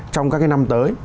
trong các năm tới